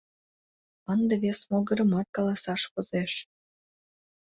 Ынде вес могырымат каласаш возеш.